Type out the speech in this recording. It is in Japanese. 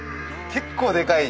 結構でかい。